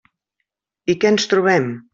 I què ens trobem?